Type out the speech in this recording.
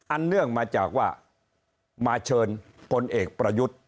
เนื่องมาจากว่ามาเชิญพลเอกประยุทธ์